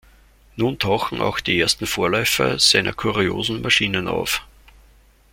Nun tauchen auch die ersten Vorläufer seiner kuriosen Maschinen auf.